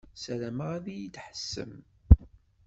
Sarameɣ ad yi-d-tḥessem.